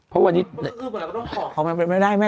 เพราะวันนี้